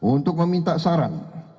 untuk meminta saran